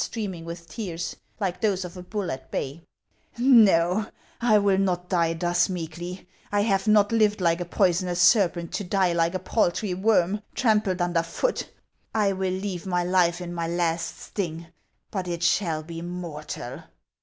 streaming with tears, like those of a bull at bay, —" no, I will not die thus meekly ; I have not lived like a poison ous serpent to die like a paltry worm trampled under foot ! I will leave my life in my last sting ; but it shall be mortal."